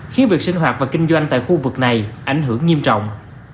khiến việc sinh hoạt và kinh doanh tại khu vực này ảnh hưởng nghiêm trọng